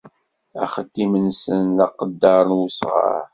Axeddim-nsen d aqedder n wesɣar.